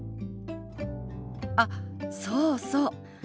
あっそうそう。